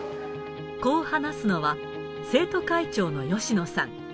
こう話すのは、生徒会長の吉野さん。